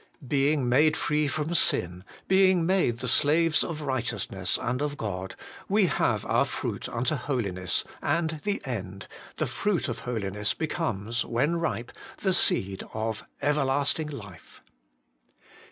Being made free from sin, being made the slaves of righteousness and of God, we have our fruit unto holiness, and the end the fruit of holiness becomes, when ripe, the seed of everlasting life.